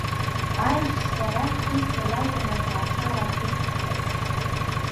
Аишьцәа рахьтә Иса иакәын аҭаацәара аԥызҵахьаз.